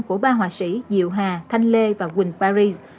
của ba họa sĩ diệu hà thanh lê và quỳnh paris